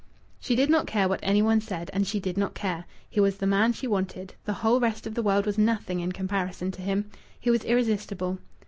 She did not care what any one said, and she did not care! He was the man she wanted; the whole rest of the world was nothing in comparison to him. He was irresistible.